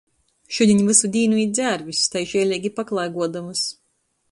Šudiņ vysu dīnu īt dzērvis, tai žieleigi paklaiguodamys.